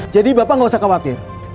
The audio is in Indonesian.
jadi bapak gak usah khawatir